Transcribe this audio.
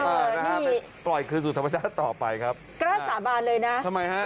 เป็นปล่อยคืนสุดธรรมชาติต่อไปครับก็สาบานเลยนะทำไมฮะ